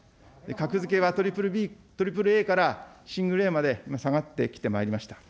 格付けは３ＡからシングルＡまで下がってきてまいりました。